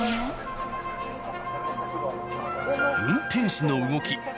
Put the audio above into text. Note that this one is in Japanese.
運転手の動き